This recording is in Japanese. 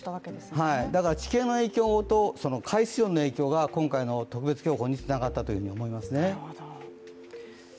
だから地形の影響と海水温の影響が今回の特別警報につながったというふうに思いますね。